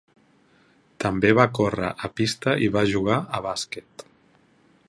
També va córrer a pista i va jugar a bàsquet.